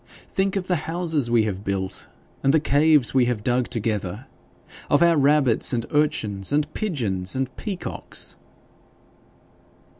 Think of the houses we have built and the caves we have dug together of our rabbits, and urchins, and pigeons, and peacocks!'